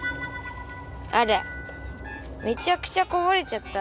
あらめちゃくちゃこぼれちゃった。